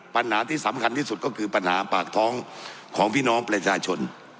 ปัญหาที่สำคัญที่สุดก็คือปัญหาปากท้องของพี่น้องประชาชน